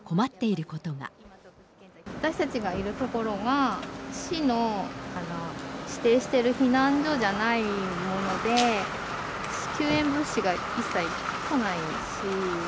私たちがいる所が、市の指定している避難所じゃないもので、救援物資が一切来ないし。